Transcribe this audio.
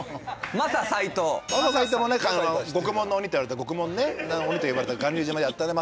マサ斎藤もね獄門の鬼っていわれた獄門の鬼と呼ばれた巌流島でやったね